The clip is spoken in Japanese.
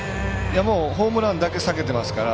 もう、ホームランだけ避けてますから。